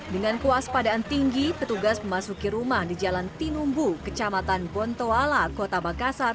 dengan kuas padaan tinggi petugas memasuki rumah di jalan tinumbu kecamatan pontuala kota makassar